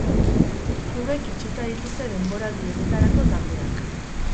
Klubek itxita dituzte denboraldi honetarako taldeak.